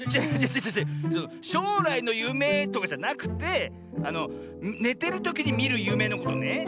しょうらいのゆめとかじゃなくてあのねてるときにみるゆめのことね。